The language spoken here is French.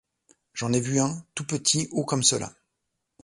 J’en ai vu un, tout petit, haut comme cela.